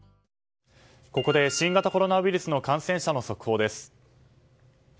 ここで新型コロナウイルスの感染者の速報です。